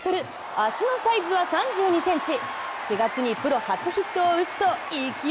足のサイズは３２ｃｍ。